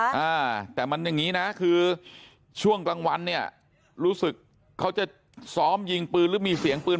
อ่าแต่มันอย่างงี้นะคือช่วงกลางวันเนี่ยรู้สึกเขาจะซ้อมยิงปืนหรือมีเสียงปืน